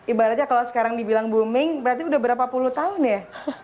ibaratnya kalau sekarang dibilang booming berarti udah berapa puluh tahun ya